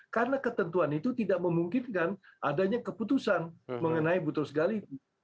karena ketentuan itu tidak memungkinkan adanya keputusan mengenai butros ghali